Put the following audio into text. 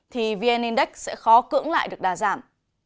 thì vn index sẽ khó cưỡng lại được đà giảm